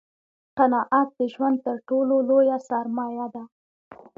قناعت دژوند تر ټولو لویه سرمایه ده